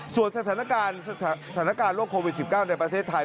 ส่วนสถานการณ์โควิด๑๙ในประเทศไทย